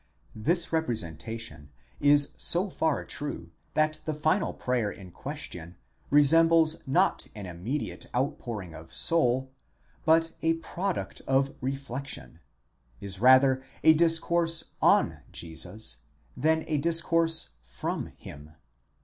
1® This representation is so far true that the final prayer in question resembles not an immediate outpouring of soul, but a product of reflection—is rather a discourse om Jesus than a discourse from him.